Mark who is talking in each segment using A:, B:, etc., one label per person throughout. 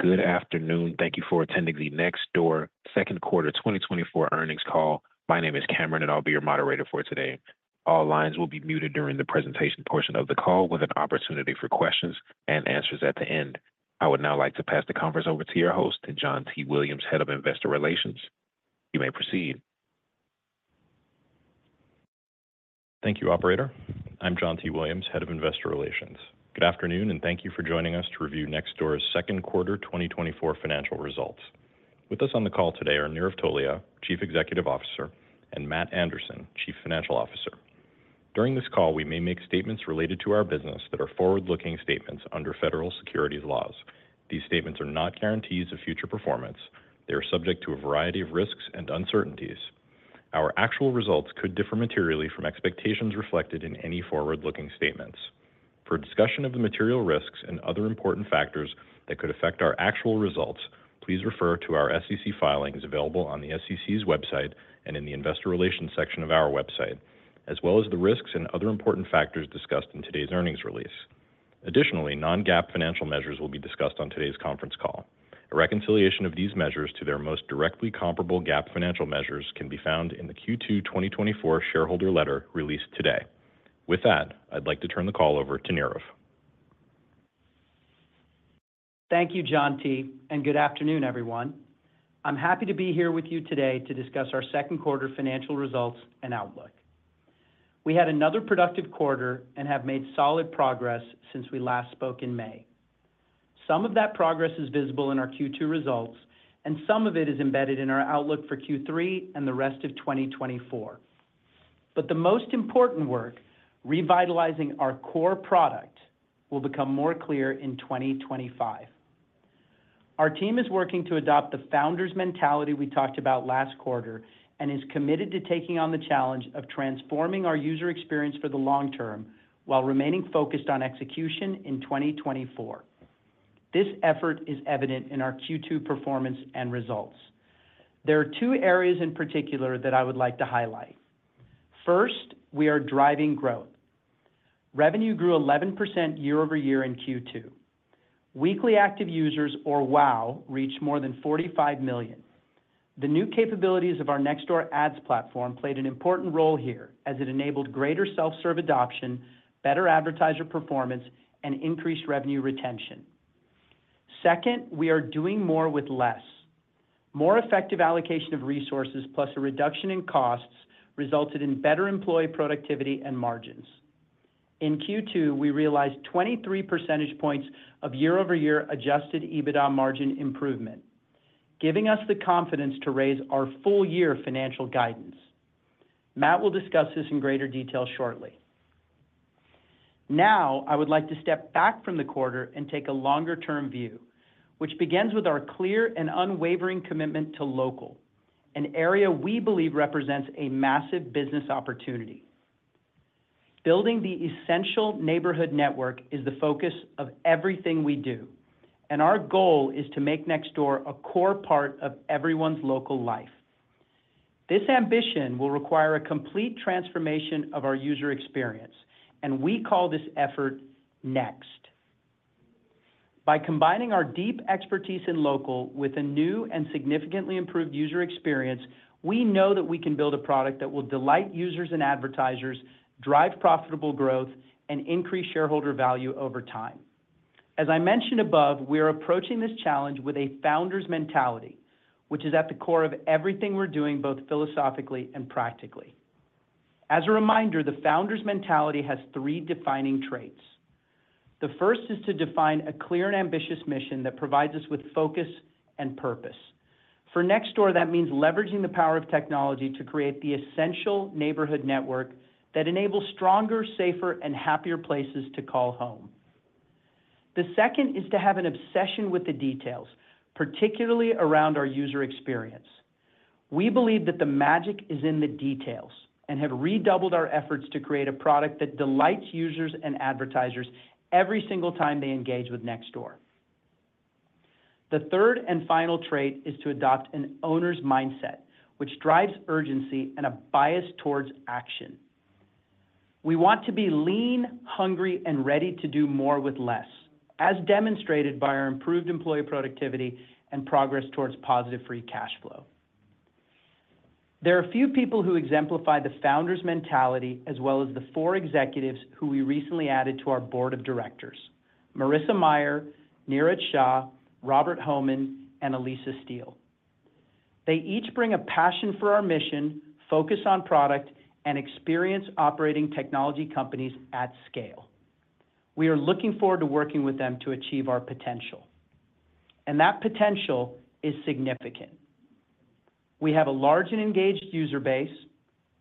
A: Good afternoon. Thank you for attending the Nextdoor second quarter 2024 earnings call. My name is Cameron, and I'll be your moderator for today. All lines will be muted during the presentation portion of the call, with an opportunity for questions and answers at the end. I would now like to pass the conference over to your host, John T. Williams, Head of Investor Relations. You may proceed.
B: Thank you, operator. I'm John T. Williams, Head of Investor Relations. Good afternoon, and thank you for joining us to review Nextdoor's second quarter 2024 financial results. With us on the call today are Nirav Tolia, Chief Executive Officer, and Matt Anderson, Chief Financial Officer. During this call, we may make statements related to our business that are forward-looking statements under federal securities laws. These statements are not guarantees of future performance. They are subject to a variety of risks and uncertainties. Our actual results could differ materially from expectations reflected in any forward-looking statements. For a discussion of the material risks and other important factors that could affect our actual results, please refer to our SEC filings available on the SEC's website and in the investor relations section of our website, as well as the risks and other important factors discussed in today's earnings release. Additionally, non-GAAP financial measures will be discussed on today's conference call. A reconciliation of these measures to their most directly comparable GAAP financial measures can be found in the Q2 2024 shareholder letter released today. With that, I'd like to turn the call over to Nirav.
C: Thank you, John T., and good afternoon, everyone. I'm happy to be here with you today to discuss our second quarter financial results and outlook. We had another productive quarter and have made solid progress since we last spoke in May. Some of that progress is visible in our Q2 results, and some of it is embedded in our outlook for Q3 and the rest of 2024. But the most important work, revitalizing our core product, will become more clear in 2025. Our team is working to adopt the founder's mentality we talked about last quarter and is committed to taking on the challenge of transforming our user experience for the long term while remaining focused on execution in 2024. This effort is evident in our Q2 performance and results. There are two areas in particular that I would like to highlight. First, we are driving growth. Revenue grew 11% year-over-year in Q2. Weekly active users, or WAU, reached more than 45 million. The new capabilities of our Nextdoor Ads platform played an important role here as it enabled greater self-serve adoption, better advertiser performance, and increased revenue retention. Second, we are doing more with less. More effective allocation of resources, plus a reduction in costs, resulted in better employee productivity and margins. In Q2, we realized 23 percentage points of year-over-year adjusted EBITDA margin improvement, giving us the confidence to raise our full-year financial guidance. Matt will discuss this in greater detail shortly. Now, I would like to step back from the quarter and take a longer-term view, which begins with our clear and unwavering commitment to local, an area we believe represents a massive business opportunity. Building the essential neighborhood network is the focus of everything we do, and our goal is to make Nextdoor a core part of everyone's local life. This ambition will require a complete transformation of our user experience, and we call this effort Next. By combining our deep expertise in local with a new and significantly improved user experience, we know that we can build a product that will delight users and advertisers, drive profitable growth, and increase shareholder value over time. As I mentioned above, we are approaching this challenge with a founder's mentality, which is at the core of everything we're doing, both philosophically and practically. As a reminder, the founder's mentality has three defining traits. The first is to define a clear and ambitious mission that provides us with focus and purpose. For Nextdoor, that means leveraging the power of technology to create the essential neighborhood network that enables stronger, safer, and happier places to call home. The second is to have an obsession with the details, particularly around our user experience. We believe that the magic is in the details and have redoubled our efforts to create a product that delights users and advertisers every single time they engage with Nextdoor. The third and final trait is to adopt an owner's mindset, which drives urgency and a bias towards action. We want to be lean, hungry, and ready to do more with less, as demonstrated by our improved employee productivity and progress towards positive free cash flow. There are a few people who exemplify the founder's mentality, as well as the four executives who we recently added to our board of directors: Marissa Mayer, Niraj Shah, Robert Hohman, and Alisa Steele. They each bring a passion for our mission, focus on product, and experience operating technology companies at scale. We are looking forward to working with them to achieve our potential, and that potential is significant. We have a large and engaged user base,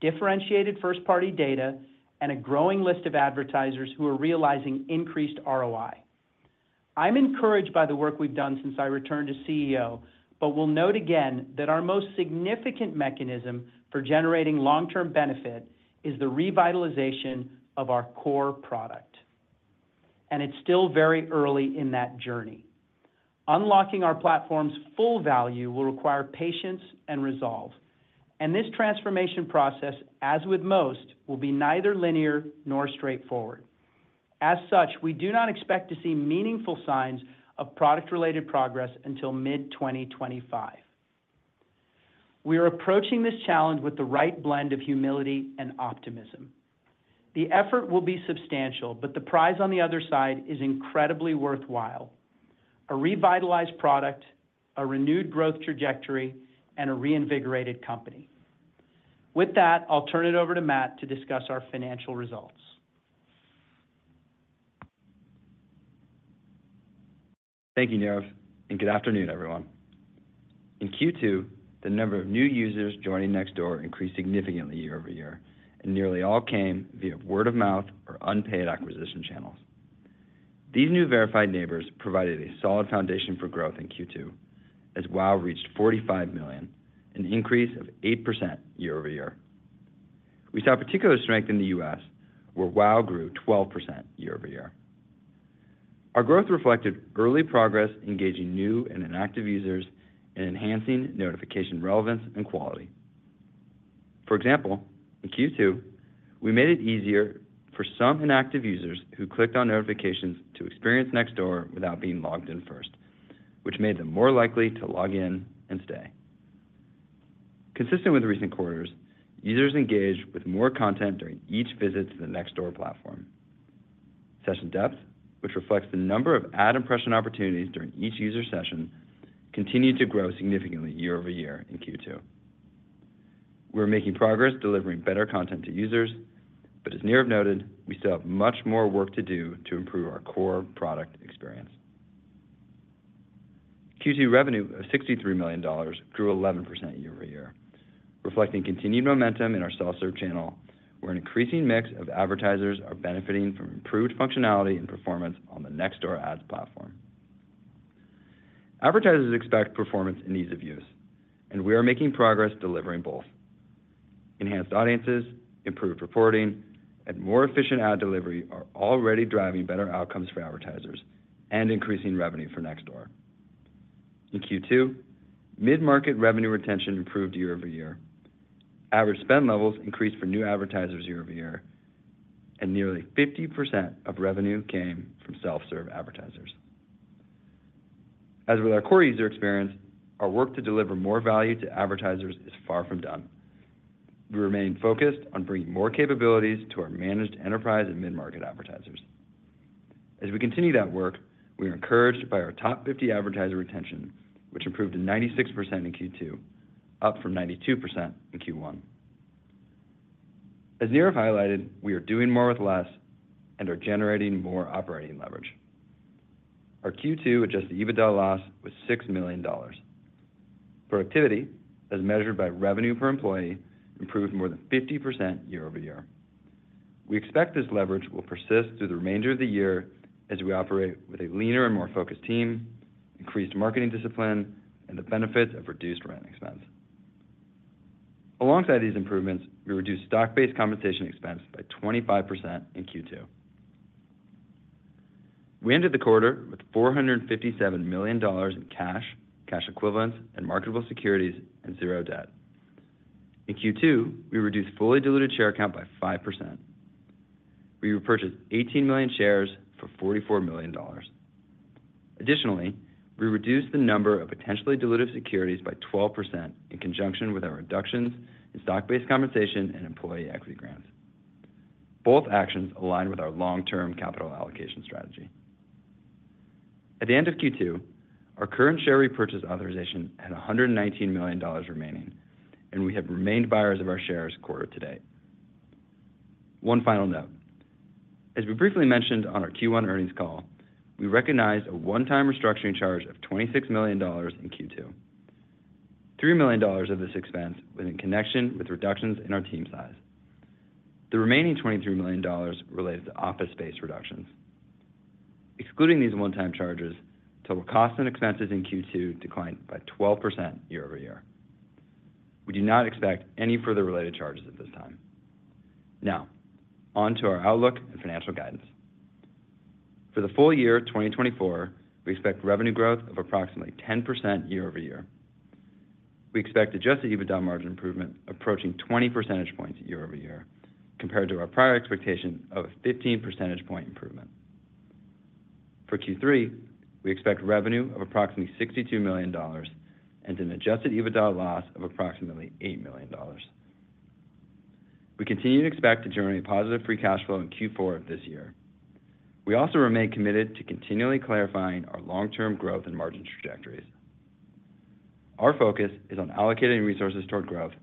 C: differentiated first-party data, and a growing list of advertisers who are realizing increased ROI. I'm encouraged by the work we've done since I returned to CEO, but will note again that our most significant mechanism for generating long-term benefit is the revitalization of our core product, and it's still very early in that journey. Unlocking our platform's full value will require patience and resolve.... This transformation process, as with most, will be neither linear nor straightforward. As such, we do not expect to see meaningful signs of product-related progress until mid-2025. We are approaching this challenge with the right blend of humility and optimism. The effort will be substantial, but the prize on the other side is incredibly worthwhile: a revitalized product, a renewed growth trajectory, and a reinvigorated company. With that, I'll turn it over to Matt to discuss our financial results.
D: Thank you, Nirav, and good afternoon, everyone. In Q2, the number of new users joining Nextdoor increased significantly year-over-year, and nearly all came via word of mouth or unpaid acquisition channels. These new verified neighbors provided a solid foundation for growth in Q2, as WOW reached 45 million, an increase of 8% year-over-year. We saw particular strength in the U.S., where WOW grew 12% year-over-year. Our growth reflected early progress, engaging new and inactive users in enhancing notification, relevance, and quality. For example, in Q2, we made it easier for some inactive users who clicked on notifications to experience Nextdoor without being logged in first, which made them more likely to log in and stay. Consistent with recent quarters, users engaged with more content during each visit to the Nextdoor platform. Session depth, which reflects the number of ad impression opportunities during each user session, continued to grow significantly year-over-year in Q2. We're making progress delivering better content to users, but as Nirav noted, we still have much more work to do to improve our core product experience. Q2 revenue of $63 million grew 11% year-over-year, reflecting continued momentum in our self-serve channel, where an increasing mix of advertisers are benefiting from improved functionality and performance on the Nextdoor ads platform. Advertisers expect performance and ease of use, and we are making progress delivering both. Enhanced audiences, improved reporting, and more efficient ad delivery are already driving better outcomes for advertisers and increasing revenue for Nextdoor. In Q2, mid-market revenue retention improved year-over-year, average spend levels increased for new advertisers year-over-year, and nearly 50% of revenue came from self-serve advertisers. As with our core user experience, our work to deliver more value to advertisers is far from done. We remain focused on bringing more capabilities to our managed enterprise and mid-market advertisers. As we continue that work, we are encouraged by our top 50 advertiser retention, which improved to 96% in Q2, up from 92% in Q1. As Nirav highlighted, we are doing more with less and are generating more operating leverage. Our Q2 adjusted EBITDA loss was $6 million. Productivity, as measured by revenue per employee, improved more than 50% year-over-year. We expect this leverage will persist through the remainder of the year as we operate with a leaner and more focused team, increased marketing discipline, and the benefits of reduced running expense. Alongside these improvements, we reduced stock-based compensation expense by 25% in Q2. We ended the quarter with $457 million in cash, cash equivalents, and marketable securities, and zero debt. In Q2, we reduced fully diluted share count by 5%. We repurchased 18 million shares for $44 million. Additionally, we reduced the number of potentially dilutive securities by 12% in conjunction with our reductions in stock-based compensation and employee equity grants. Both actions align with our long-term capital allocation strategy. At the end of Q2, our current share repurchase authorization had $119 million remaining, and we have remained buyers of our shares quarter to date. One final note: as we briefly mentioned on our Q1 earnings call, we recognized a one-time restructuring charge of $26 million in Q2. $3 million of this expense was in connection with reductions in our team size. The remaining $23 million related to office space reductions. Excluding these one-time charges, total costs and expenses in Q2 declined by 12% year-over-year. We do not expect any further related charges at this time. Now, on to our outlook and financial guidance. For the full year of 2024, we expect revenue growth of approximately 10% year-over-year. We expect Adjusted EBITDA margin improvement approaching 20 percentage points year-over-year, compared to our prior expectation of a 15 percentage point improvement. For Q3, we expect revenue of approximately $62 million and an Adjusted EBITDA loss of approximately $8 million. We continue to expect to generate positive free cash flow in Q4 of this year. We also remain committed to continually clarifying our long-term growth and margin trajectories. Our focus is on allocating resources toward growth,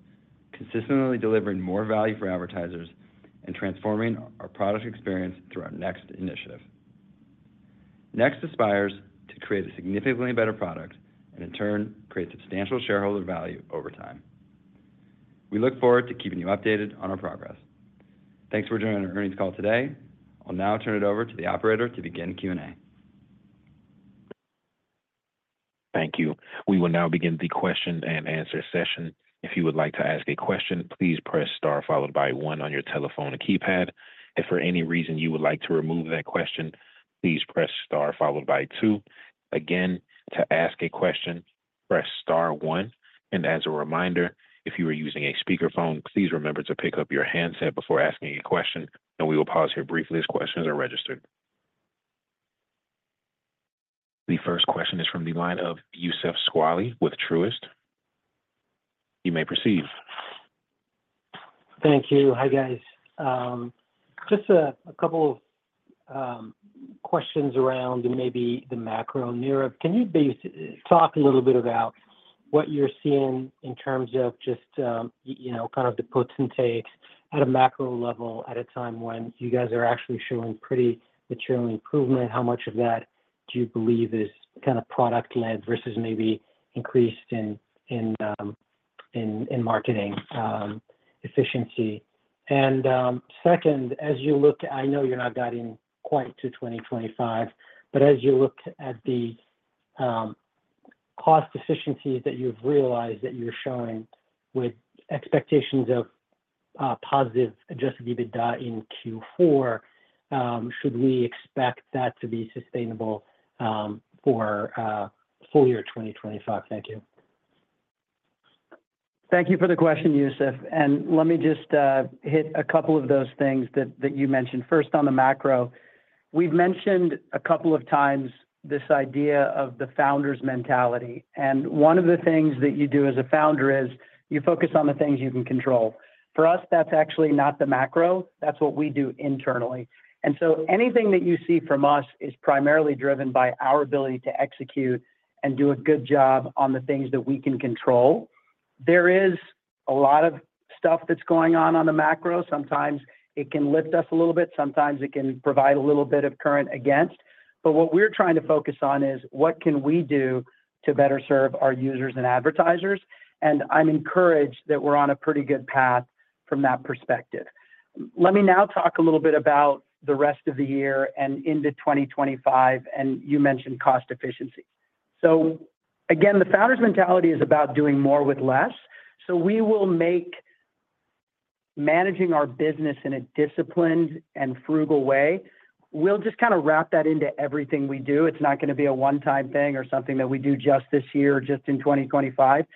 D: consistently delivering more value for advertisers, and transforming our product experience through our Next initiative. Next aspires to create a significantly better product and, in turn, create substantial shareholder value over time. We look forward to keeping you updated on our progress. Thanks for joining our earnings call today. I'll now turn it over to the operator to begin Q&A.
A: Thank you. We will now begin the question and answer session. If you would like to ask a question, please press star followed by one on your telephone keypad. If for any reason you would like to remove that question, please press star followed by two. Again, to ask a question...... press star one. And as a reminder, if you are using a speakerphone, please remember to pick up your handset before asking a question, and we will pause here briefly as questions are registered. The first question is from the line of Youssef Squali with Truist. You may proceed.
E: Thank you. Hi, guys. Just a couple of questions around maybe the macro environment. Can you talk a little bit about what you're seeing in terms of just, you know, kind of the puts and takes at a macro level, at a time when you guys are actually showing pretty material improvement? How much of that do you believe is kind of product led versus maybe increased in marketing efficiency? And second, as you look... I know you're not guiding quite to 2025, but as you look at the cost efficiencies that you've realized, that you're showing with expectations of positive Adjusted EBITDA in Q4, should we expect that to be sustainable for full year 2025? Thank you.
C: Thank you for the question, Youssef. Let me just hit a couple of those things that you mentioned. First, on the macro, we've mentioned a couple of times this idea of the founder's mentality, and one of the things that you do as a founder is you focus on the things you can control. For us, that's actually not the macro, that's what we do internally. So anything that you see from us is primarily driven by our ability to execute and do a good job on the things that we can control. There is a lot of stuff that's going on on the macro. Sometimes it can lift us a little bit, sometimes it can provide a little bit of current against, but what we're trying to focus on is: what can we do to better serve our users and advertisers? And I'm encouraged that we're on a pretty good path from that perspective. Let me now talk a little bit about the rest of the year and into 2025, and you mentioned cost efficiency. So again, the founder's mentality is about doing more with less. So we will make managing our business in a disciplined and frugal way. We'll just kinda wrap that into everything we do. It's not gonna be a one-time thing or something that we do just this year or just in 2025.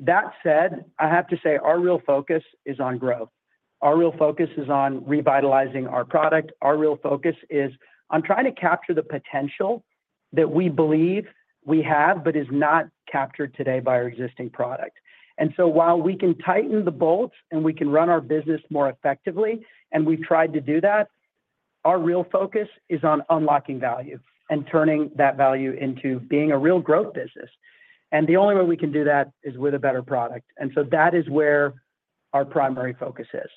C: That said, I have to say our real focus is on growth. Our real focus is on revitalizing our product. Our real focus is on trying to capture the potential that we believe we have, but is not captured today by our existing product. And so while we can tighten the bolts and we can run our business more effectively, and we've tried to do that, our real focus is on unlocking value and turning that value into being a real growth business. And the only way we can do that is with a better product, and so that is where our primary focus is.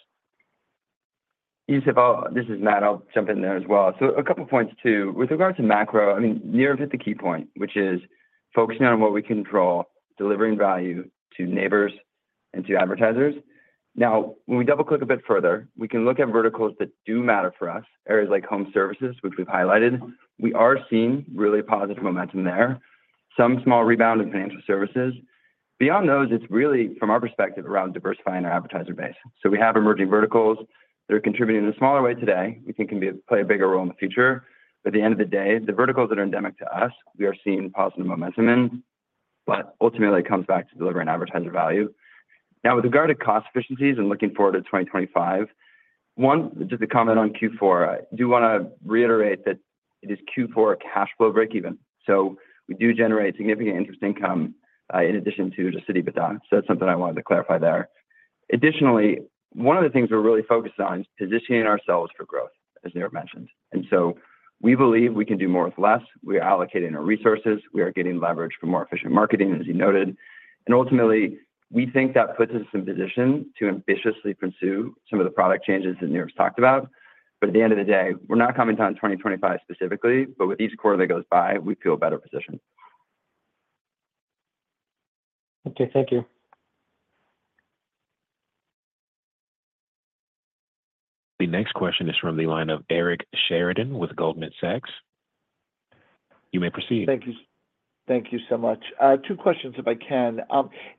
D: Youssef, this is Matt. I'll jump in there as well. So a couple points too. With regards to macro, I mean, Nirav hit the key point, which is focusing on what we control, delivering value to neighbors and to advertisers. Now, when we double-click a bit further, we can look at verticals that do matter for us. Areas like home services, which we've highlighted, we are seeing really positive momentum there. Some small rebound in financial services. Beyond those, it's really, from our perspective, around diversifying our advertiser base. So we have emerging verticals that are contributing in a smaller way today, we think can play a bigger role in the future. But at the end of the day, the verticals that are endemic to us, we are seeing positive momentum in, but ultimately it comes back to delivering advertiser value. Now, with regard to cost efficiencies and looking forward to 2025, one, just to comment on Q4, I do wanna reiterate that it is Q4 cash flow breakeven, so we do generate significant interest income, in addition to just EBITDA. So that's something I wanted to clarify there. Additionally, one of the things we're really focused on is positioning ourselves for growth, as Nirav mentioned. And so we believe we can do more with less. We are allocating our resources. We are getting leverage for more efficient marketing, as you noted. And ultimately, we think that puts us in position to ambitiously pursue some of the product changes that Nirav's talked about. But at the end of the day, we're not commenting on 2025 specifically, but with each quarter that goes by, we feel better positioned.
E: Okay. Thank you.
A: The next question is from the line of Eric Sheridan with Goldman Sachs. You may proceed.
F: Thank you. Thank you so much. Two questions, if I can.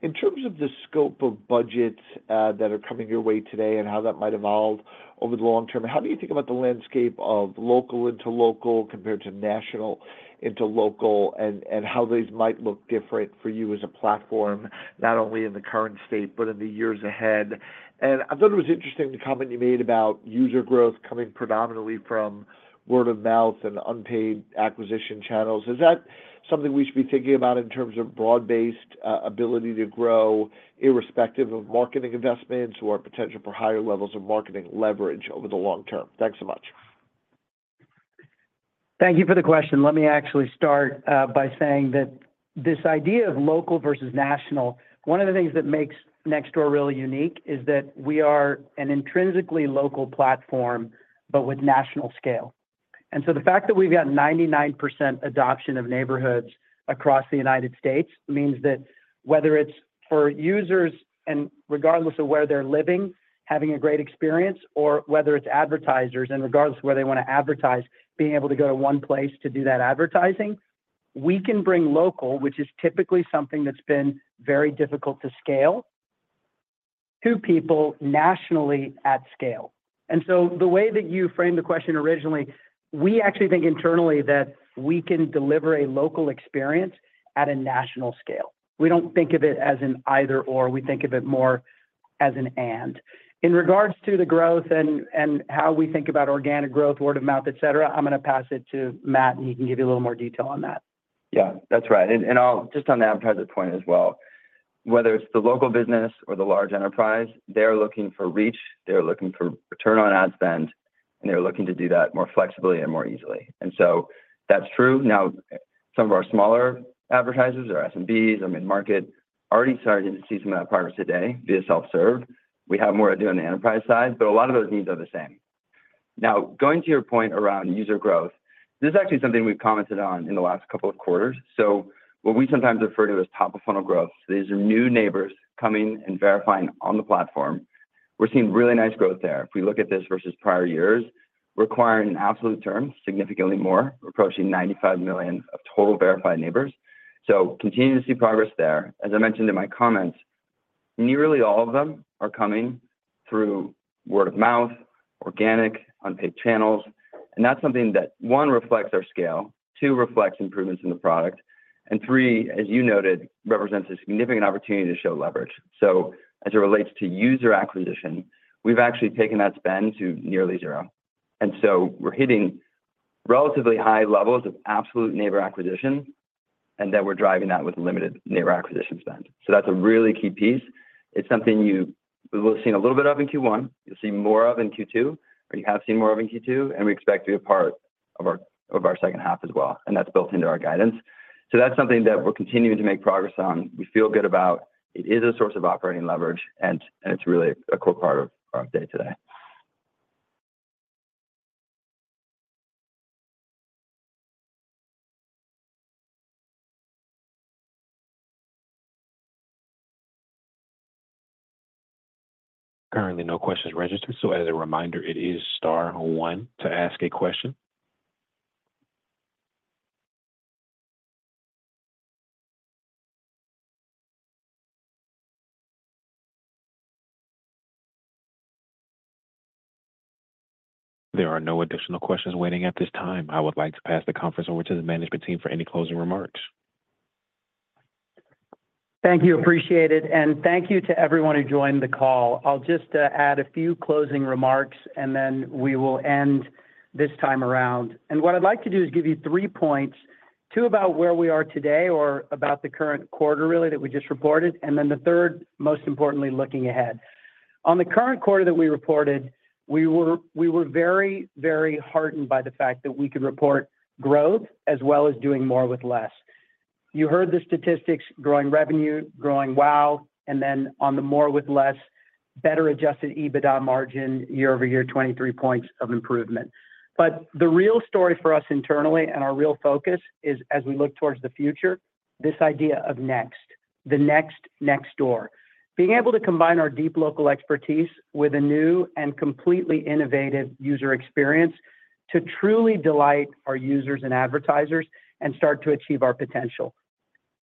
F: In terms of the scope of budgets that are coming your way today and how that might evolve over the long term, how do you think about the landscape of local into local compared to national into local, and, and how these might look different for you as a platform, not only in the current state, but in the years ahead? I thought it was interesting, the comment you made about user growth coming predominantly from word-of-mouth and unpaid acquisition channels. Is that something we should be thinking about in terms of broad-based ability to grow, irrespective of marketing investments or potential for higher levels of marketing leverage over the long term? Thanks so much.
C: Thank you for the question. Let me actually start by saying that this idea of local versus national, one of the things that makes Nextdoor really unique is that we are an intrinsically local platform, but with national scale. And so the fact that we've got 99% adoption of neighborhoods across the United States, means that whether it's for users, and regardless of where they're living, having a great experience, or whether it's advertisers, and regardless of where they wanna advertise, being able to go to one place to do that advertising, we can bring local, which is typically something that's been very difficult to scale to people nationally at scale. And so the way that you framed the question originally, we actually think internally that we can deliver a local experience at a national scale. We don't think of it as an either/or. We think of it more as an and. In regards to the growth and, and how we think about organic growth, word-of-mouth, etc., I'm gonna pass it to Matt, and he can give you a little more detail on that.
D: Yeah, that's right. And, and I'll just on the advertiser point as well, whether it's the local business or the large enterprise, they're looking for reach, they're looking for return on ad spend, and they're looking to do that more flexibly and more easily. And so that's true. Now, some of our smaller advertisers, our SMBs or mid-market, are already starting to see some of that progress today via self-serve. We have more to do on the enterprise side, but a lot of those needs are the same. Now, going to your point around user growth, this is actually something we've commented on in the last couple of quarters. So what we sometimes refer to as top-of-funnel growth, these are new neighbors coming and verifying on the platform. We're seeing really nice growth there. If we look at this versus prior years, we're acquiring in absolute terms, significantly more, approaching 95 million total verified neighbors. So continuing to see progress there. As I mentioned in my comments, nearly all of them are coming through word of mouth, organic, unpaid channels, and that's something that, one, reflects our scale, two, reflects improvements in the product, and three, as you noted, represents a significant opportunity to show leverage. So as it relates to user acquisition, we've actually taken that spend to nearly zero, and so we're hitting relatively high levels of absolute neighbor acquisition, and then we're driving that with limited neighbor acquisition spend. So that's a really key piece. It's something you-- we've seen a little bit of in Q1. You'll see more of in Q2, or you have seen more of in Q2, and we expect to be a part of our, of our second half as well, and that's built into our guidance. So that's something that we're continuing to make progress on. We feel good about. It is a source of operating leverage, and, and it's really a core part of our day-to-day.
A: Currently, no questions registered, so as a reminder, it is star one to ask a question. There are no additional questions waiting at this time. I would like to pass the conference over to the management team for any closing remarks.
C: Thank you. Appreciate it, and thank you to everyone who joined the call. I'll just add a few closing remarks, and then we will end this time around. And what I'd like to do is give you three points, two about where we are today or about the current quarter, really, that we just reported, and then the third, most importantly, looking ahead. On the current quarter that we reported, we were very, very heartened by the fact that we could report growth as well as doing more with less. You heard the statistics, growing revenue, growing WOW, and then on the more with less, better Adjusted EBITDA margin, year-over-year, 23 points of improvement. But the real story for us internally and our real focus is as we look towards the future, this idea of Next, the next Nextdoor. Being able to combine our deep local expertise with a new and completely innovative user experience to truly delight our users and advertisers and start to achieve our potential.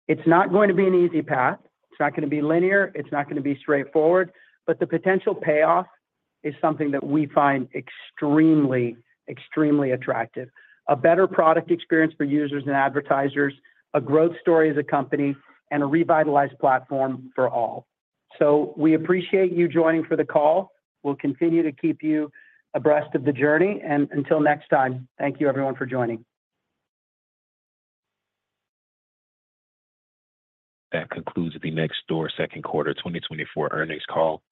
C: It's not going to be an easy path. It's not gonna be linear. It's not gonna be straightforward, but the potential payoff is something that we find extremely, extremely attractive. A better product experience for users and advertisers, a growth story as a company, and a revitalized platform for all. So we appreciate you joining for the call. We'll continue to keep you abreast of the journey, and until next time, thank you, everyone, for joining.
A: That concludes the Nextdoor second quarter earnings call.